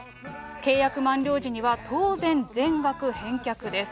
契約満了時には当然、全額返却です。